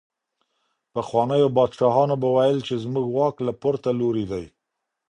پخوانيو پادشاهانو به ويل چي زموږ واک له پورته لوري دی.